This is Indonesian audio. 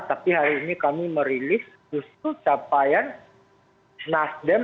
tapi hari ini kami merilis justru capaian nasdem